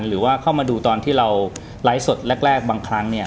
หรือว่าเข้ามาดูตอนที่เราไลฟ์สดแรกบางครั้งเนี่ย